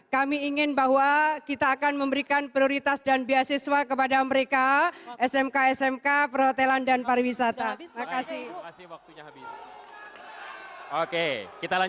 kami ingin bahwa kita akan memberikan prioritas dan beasiswa kepada mereka smk smk perhotelan dan pariwisata